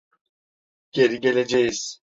Geri geleceğiz.